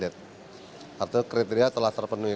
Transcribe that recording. itu kriteria telah terpenuhi